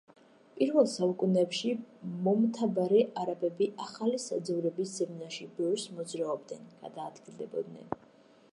პირველ საუკუნეებში მომთაბარე არაბები ახალი საძოვრების ძებნაში ბევრს მოძრაობდნენ, გადაადგილდებოდნენ.